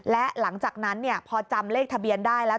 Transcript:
และหลังจากนั้นพอจำเลขทะเบียนได้แล้ว